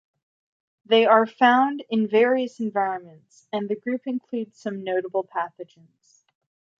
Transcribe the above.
They are found in various environments, and the group includes some notable pathogens.